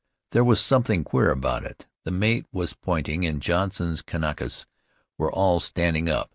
There was something queer about it; the mate was pointing, and Johnson's Kanakas were all standing up.